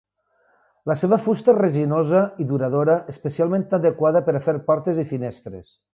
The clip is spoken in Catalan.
La seva fusta és resinosa i duradora especialment adequada per a fer portes i finestres.